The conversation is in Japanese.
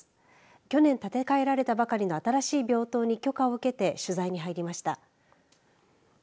去年建て替えられたばかりの新しい病棟に許可を受けて取材に入りました。